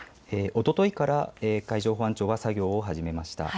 おとといから海上保安庁は作業を始めました。